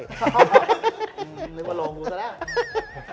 ลืมว่าโหลงกูซะแล้ว